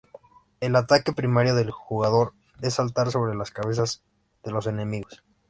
El ataque primario del jugador es saltar sobre las cabezas de los enemigos.